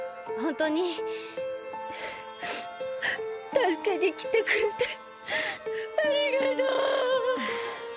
たすけにきてくれてありがとう。